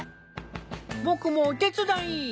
僕もお手伝い。